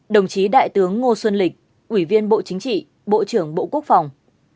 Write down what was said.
một mươi ba đồng chí đại tướng ngô xuân lịch ủy viên bộ chính trị bộ trưởng bộ quốc phòng